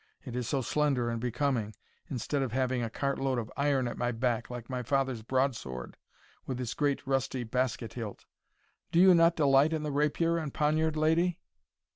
it is so slender and becoming, instead of having a cartload of iron at my back, like my father's broad sword with its great rusty basket hilt. Do you not delight in the rapier and poniard, lady?"